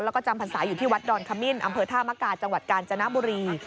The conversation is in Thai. แล้วก็จำพรรษาอยู่ที่วัดดอนขมิ้นอำเภอธามกาจังหวัดกาญจนบุรี